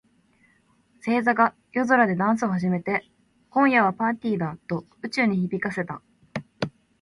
星座が夜空でダンスを始めて、「今夜はパーティーだ！」と宇宙に響かせた。